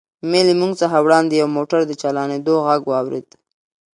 مې له موږ څخه وړاندې د یوه موټر د چالانېدو غږ واورېد.